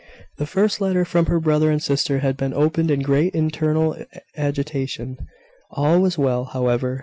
The first letter from her brother and sister had been opened in great internal agitation. All was well, however.